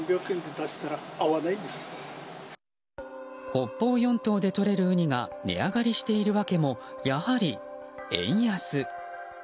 北方四島でとれるウニが値上がりしている訳もやはり円安。